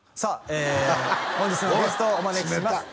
え本日のゲストをお招きしますおい！